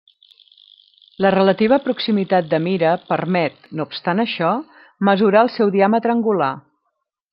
La relativa proximitat de Mira permet, no obstant això, mesurar el seu diàmetre angular.